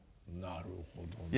なるほどね。